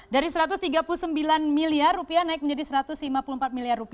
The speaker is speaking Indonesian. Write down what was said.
dari rp satu ratus tiga puluh sembilan miliar naik menjadi rp satu ratus lima puluh empat miliar